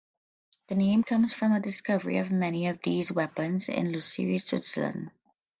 The name comes from a discovery of many of these weapons in Lucerne, Switzerland.